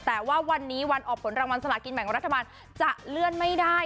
แต่ว่าวันนี้วันออกผลรางวัลสลากินแบ่งรัฐบาลจะเลื่อนไม่ได้